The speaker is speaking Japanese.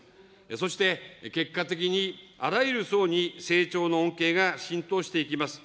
そして結果的に、あらゆる層に成長の恩恵が浸透していきます。